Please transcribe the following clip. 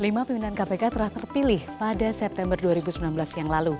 lima pimpinan kpk telah terpilih pada september dua ribu sembilan belas yang lalu